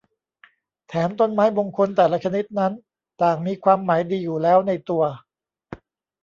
แถมต้นไม้มงคลแต่ละชนิดนั้นต่างมีความหมายดีอยู่แล้วในตัว